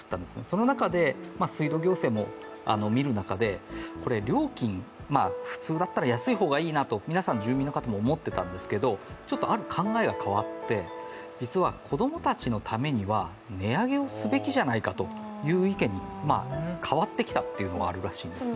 その中で水道行政も見る中でこれ、料金、普通だったら安い方がいいなと皆さん住民の方も思っていたんですが考えが変わって、実は子供たちのためには値上げをすべきなんじゃないかという意見に変わってきたというのがあるらしいんですね。